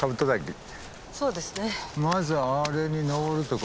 そうですね。です。